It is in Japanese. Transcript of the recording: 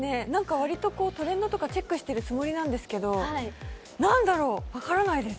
割とトレンドとかチェックしてるつもりなんですけど何だろう、分からないです。